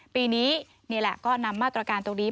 ปีนี้นี่แหละก็นำมาตรการตรงนี้